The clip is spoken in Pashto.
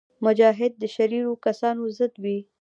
مجاهد د شریرو کسانو ضد وي.